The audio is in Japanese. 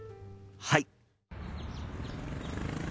はい！